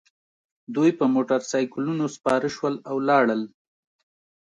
دوی په موټرسایکلونو سپاره شول او لاړل